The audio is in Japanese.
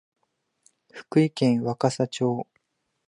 福井県若狭町